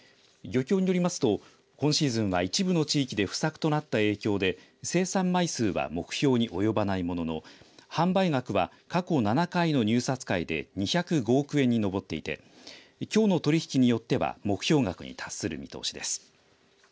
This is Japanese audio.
漁協によりますと、今シーズンは一部の地域で不作となった影響で生産枚数は目標に及ばないものの販売額は過去７回の入札会で２０５億円に上っていてきょうの取り引きによっては目標額に達する見通しです。